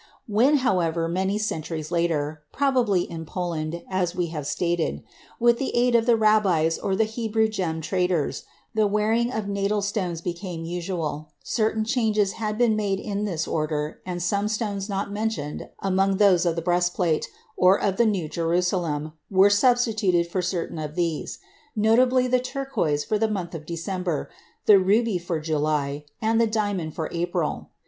When, however, many centuries later,—probably in Poland, as we have stated,—with the aid of the rabbis or the Hebrew gem traders, the wearing of natal stones became usual, certain changes had been made in this order and some stones not mentioned among those of the breastplate, or of the New Jerusalem, were substituted for certain of these,—notably the turquoise for the month of December, the ruby for July, and the diamond for April.